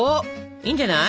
いいんじゃない？